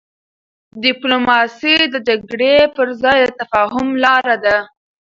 ډيپلوماسي د جګړي پر ځای د تفاهم لار ده.